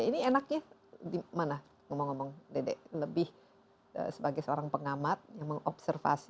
ini enaknya di mana ngomong ngomong dede lebih sebagai seorang pengamat yang mengobservasi